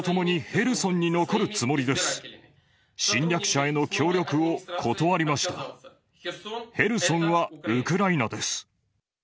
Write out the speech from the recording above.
ヘルソンはウクライナです。